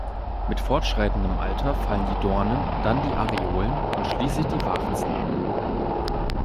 Mit fortschreitendem Alter fallen die Dornen, dann die Areolen und schließlich die Warzen ab.